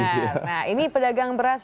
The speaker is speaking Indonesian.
nah ini pedagang beras